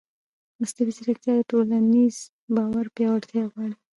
مصنوعي ځیرکتیا د ټولنیز باور پیاوړتیا غواړي.